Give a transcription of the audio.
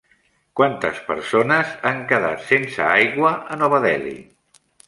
Quantes persones han quedat sense aigua a Nova Delhi?